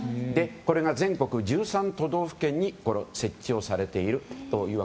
これが全国１３都道府県に設置されていると。